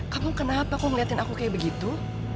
kamu kenapa aku ngeliatin aku kayak begitu